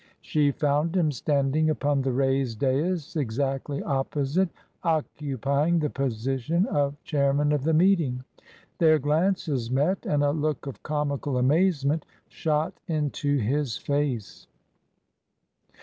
She found him standing upon the raised dais exactly opposite, occupying the position of chairman of the meeting. Their glances met, and a look of comical amazement shot into his face.